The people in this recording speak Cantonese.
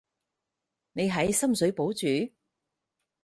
你喺深水埗住？